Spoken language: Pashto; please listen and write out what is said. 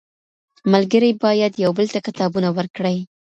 ملګري بايد يو بل ته کتابونه ورکړي.